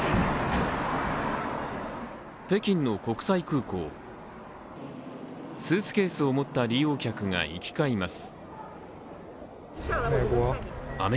北京の国際空港スーツケースを持った利用客が行き交います。